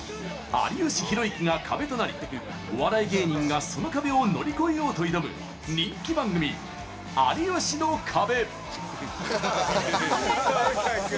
有吉弘行が「壁」となりお笑い芸人がその壁を乗り越えようと挑む人気番組「有吉の壁」。